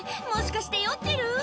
もしかして酔ってる？